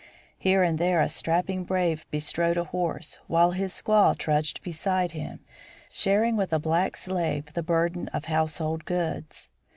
Here and there a strapping brave bestrode a horse, while his squaw trudged beside him, sharing with a black slave the burden of household goods.